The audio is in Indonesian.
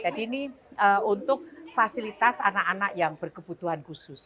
jadi ini untuk fasilitas anak anak yang berkebutuhan khusus